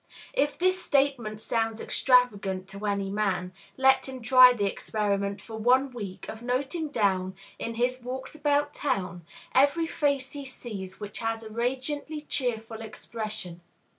If this statement sounds extravagant to any man, let him try the experiment, for one week, of noting down, in his walks about town, every face he sees which has a radiantly cheerful expression.